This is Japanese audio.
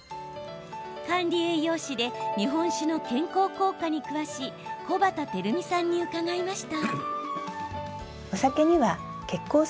管理栄養士で日本酒の健康効果に詳しいこばたてるみさんに伺いました。